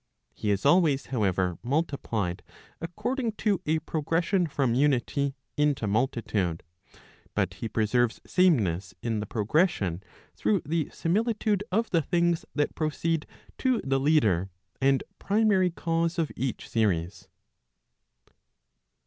He is always, however, multiplied according to a progression from unity into multitude. But he preserves sameness in the progression, through the similitude of the things that proceed to the leader and primary cause of each series.